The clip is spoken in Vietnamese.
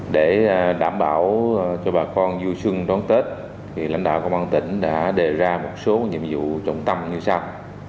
để đảm bảo cho bà con vui xuân đón tết lãnh đạo công an tỉnh đã đề ra một số nhiệm vụ trọng tâm như sau